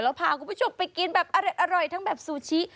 พาคุณผู้ชมไปกินแบบอร่อยทั้งแบบซูชิ